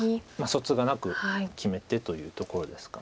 そつがなく決めてというところですか。